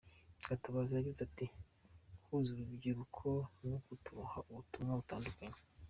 Gatabazi yagize ati "Guhuza urubyiruko nk’uku, turuha ubutumwa butandukanye.